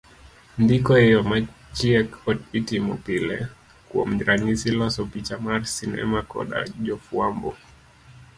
Ndiko e yo machiek itomo pile kuom ranyisi loso picha mar sinema koda jofuambo.